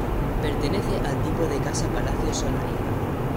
Pertenece al tipo de casa-palacio solariega.